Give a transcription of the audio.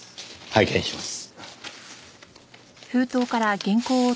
拝見します。